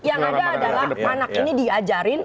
yang ada adalah anak ini diajarin